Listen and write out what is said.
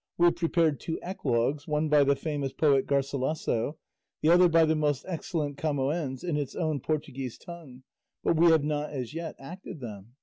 We have prepared two eclogues, one by the famous poet Garcilasso, the other by the most excellent Camoens, in its own Portuguese tongue, but we have not as yet acted them.